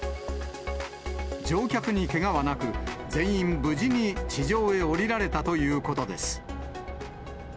乗客にけがはなく、全員無事に地上へ降りられたということです。